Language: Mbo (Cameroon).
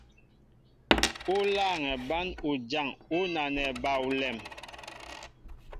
U lâŋɛ bán ujaŋ ú nanɛ ba alɛm.